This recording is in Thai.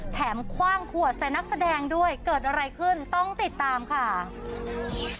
คว่างขวดใส่นักแสดงด้วยเกิดอะไรขึ้นต้องติดตามค่ะ